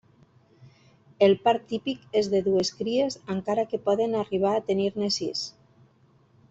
El part típic és de dues cries, encara que poden arribar a tenir-ne sis.